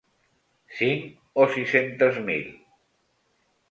Cinc o sis-centes mil.